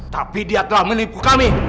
tapi dia telah menipu kami